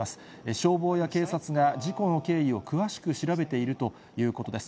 消防や警察が事故の経緯を詳しく調べているということです。